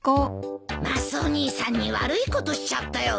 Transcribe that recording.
マスオ兄さんに悪いことしちゃったよ。